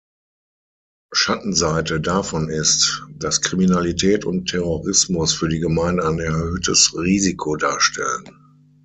Schattenseite davon ist, dass Kriminalität und Terrorismus für die Gemeinde ein erhöhtes Risiko darstellen.